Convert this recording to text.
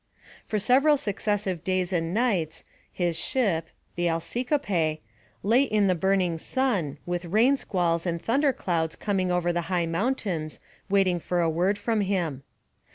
For several successive days and nights, his ship, the Alciope, lay in the burning sun, with rain squalls and thunder clouds coming over the high mountains, waiting for a word from him.